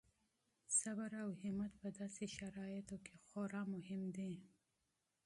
صبر او حوصله په داسې شرایطو کې خورا مهم دي.